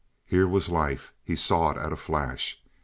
Here was life; he saw it at a flash.